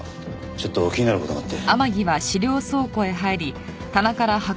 ちょっと気になる事があって。